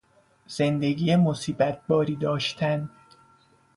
زندگی مصیبت باری داشتن